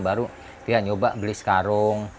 baru dia nyoba beli sekarung